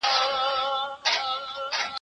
زه هره ورځ انځور ګورم؟!